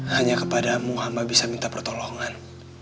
hanya kepada mu hamba bisa minta pertolongan